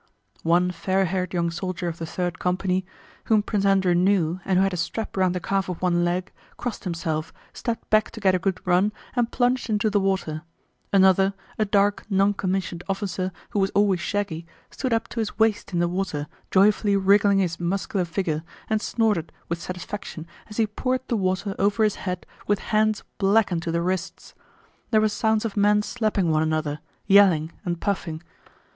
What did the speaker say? One fair haired young soldier of the third company, whom Prince Andrew knew and who had a strap round the calf of one leg, crossed himself, stepped back to get a good run, and plunged into the water; another, a dark noncommissioned officer who was always shaggy, stood up to his waist in the water joyfully wriggling his muscular figure and snorted with satisfaction as he poured the water over his head with hands blackened to the wrists. There were sounds of men slapping one another, yelling, and puffing.